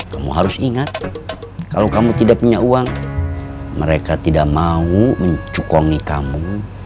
kamu harus ingat kalau kamu tidak punya uang mereka tidak mau mencukongi kamu